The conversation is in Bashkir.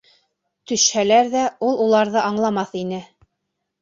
Төшһәләр ҙә, ул уларҙы аңламаҫ ине.